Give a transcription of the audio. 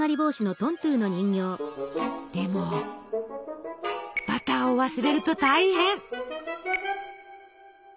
でもバターを忘れると大変！